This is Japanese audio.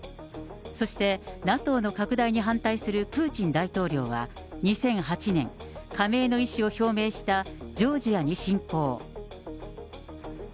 そして、ＮＡＴＯの拡大に反対するプーチン大統領は、２００８年、加盟の意思を表明したジョージアに侵攻。